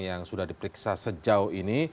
yang sudah diperiksa sejauh ini